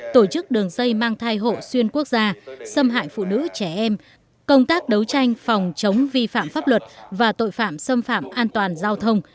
tổ chức đường dây mang thai hộ xuyên quốc gia xâm hại phụ nữ trẻ em công tác đấu tranh phòng chống vi phạm pháp luật và tội phạm xâm phạm an toàn giao thông